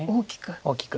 大きく。